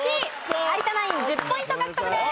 有田ナイン１０ポイント獲得です。